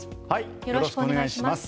よろしくお願いします。